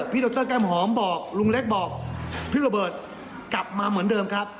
ดรแก้มหอมบอกลุงเล็กบอกพี่โรเบิร์ตกลับมาเหมือนเดิมครับ